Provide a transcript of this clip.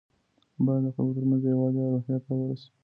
باید د خلګو ترمنځ د یووالي روحیه پیاوړې سي.